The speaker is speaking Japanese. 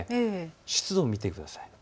湿度を見てください。